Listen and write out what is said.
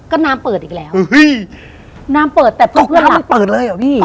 ก็น้ำเปิดอีกแล้วเฮ้ยน้ำเปิดแต่เพื่อน้ำมันเปิดเลยเหรอพี่